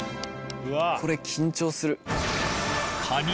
これ緊張する。